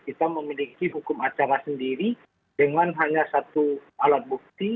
kita memiliki hukum acara sendiri dengan hanya satu alat bukti